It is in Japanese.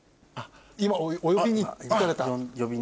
今お呼びにいかれた。